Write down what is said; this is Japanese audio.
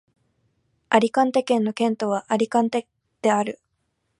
アリカンテ県の県都はアリカンテである